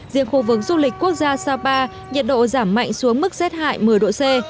riêng khu vực du lịch quốc gia sapa nhiệt độ giảm mạnh xuống mức rét hại một mươi độ c